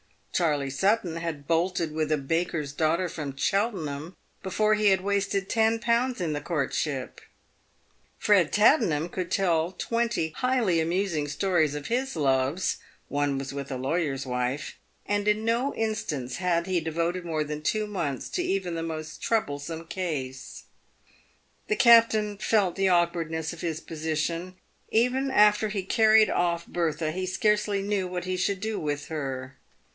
Charley Sutton had bolted with a baker's daughter from Cheltenham before he had wasted ten pounds in the courtship. Ered Tattenham could tell twenty highly amusing stories of his loves (one 322 PAVED WITH GOLD. was with a lawyer's wife), and in no instance had he devoted more than two months to even the most troublesome case. The captain felt the awkwardness of his position. Even after he carried off ' Bertha, he scarcely knew what he should do with her.